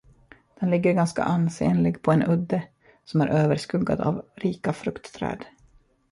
Den ligger ganska ansenlig på en udde, som är överskuggad av rika fruktträd.